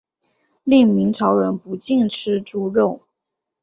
另明朝人不禁吃猪肉。